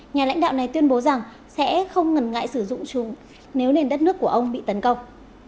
nhà lãnh đạo này tuyên bố rằng sẽ không ngần ngại sử dụng nếu nền đất nước của ông bị tấn công